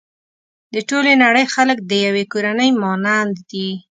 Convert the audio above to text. د ټولې نړۍ خلک د يوې کورنۍ مانند دي.